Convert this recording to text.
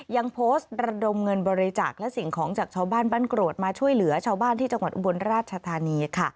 ยังโพสต์ระดมเงินบริจาคและสิ่งของจากชาวบ้านบ้านกรวดมาช่วยเหลือชาวบ้านที่จังหวัดอุบลราชธานีค่ะ